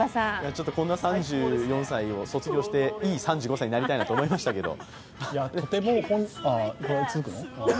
ちょっとこんな３４歳を卒業して、いい３５歳になりたいなと思いましたけど。